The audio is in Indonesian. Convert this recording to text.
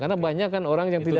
karena banyak kan orang yang tidak